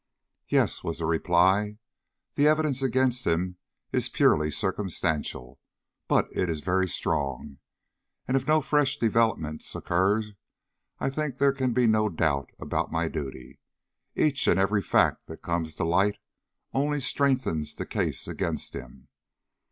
"Yes," was the reply. "The evidence against him is purely circumstantial, but it is very strong; and if no fresh developments occur, I think there can be no doubt about my duty. Each and every fact that comes to light only strengthens the case against him.